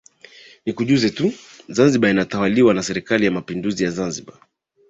Nikujuze tu Zanzibar inatawaliwa na Serikali ya Mapinduzi ya Zanzibar